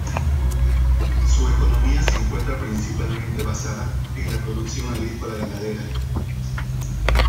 Su economía se encuentra principalmente basada en la producción agrícola-ganadera.